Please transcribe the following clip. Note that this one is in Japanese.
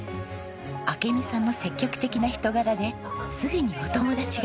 明美さんの積極的な人柄ですぐにお友達ができました。